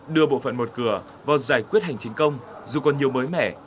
đưa bộ phận một cửa vào giải quyết hành chính công dù còn nhiều mới mẻ